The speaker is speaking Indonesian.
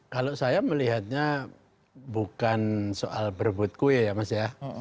kalau saya melihatnya bukan soal berebut kue ya mas ya